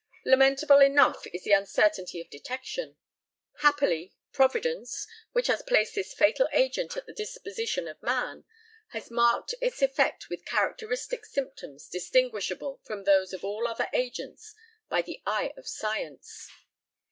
Lamentable enough is the uncertainty of detection! Happily, Providence, which has placed this fatal agent at the disposition of man, has marked its effects with characteristic symptoms distinguishable from those of all other agents by the eye of science.